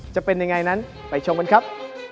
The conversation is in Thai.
จะเป็นยังไงนั้นไปชมกันครับ